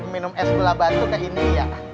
minum es gula batu ke ini ya